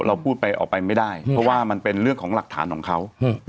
พูดไปออกไปไม่ได้เพราะว่ามันเป็นเรื่องของหลักฐานของเขา